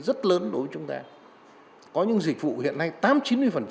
mất rất nhiều thời gian